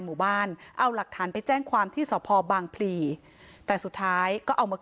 หมู่บ้านเอาหลักฐานไปแจ้งความที่สพบางพลีแต่สุดท้ายก็เอามา